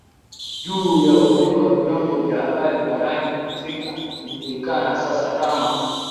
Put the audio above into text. juu ya uhuru wa vyombo vya habari barani Afrika na kujulikana sasa kama